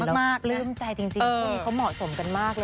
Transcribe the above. เห็นแล้วเกลืมใจจริงเขาเหมาะสมกันมากเลยอ่ะ